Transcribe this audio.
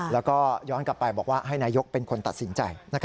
แล้วก็ย้อนกลับไปบอกว่าให้นายกเป็นคนตัดสินใจ